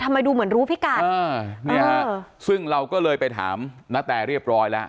ทำไมดูเหมือนรู้พี่กาศเนี้ยซึ่งเราก็เลยไปถามณแตรเรียบร้อยแล้ว